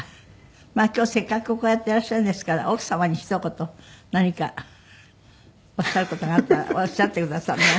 まあ今日せっかくこうやっていらっしゃるんですから奥様にひと言何かおっしゃる事があったらおっしゃってくださらない？